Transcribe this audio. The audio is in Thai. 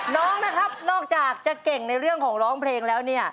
น้องนะครับนอกจากจะเก่งในเรื่องของร้องเพลงแล้วเนี่ย